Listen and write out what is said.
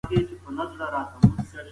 که دقیقه څېړنه وکړو نو حقیقت به څرګند سي.